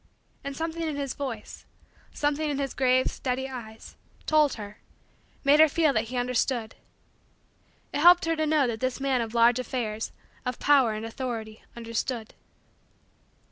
And something in his voice something in his grave, steady, eyes told her made her feel that he understood. It helped her to know that this man of large affairs, of power and authority, understood.